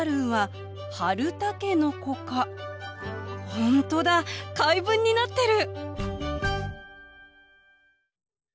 本当だ回文になってる！